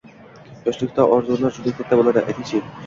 – Yoshlikda orzular juda katta bo‘ladi. Ayting-chi